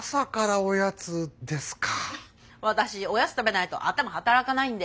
おやつ食べないと頭働かないんで。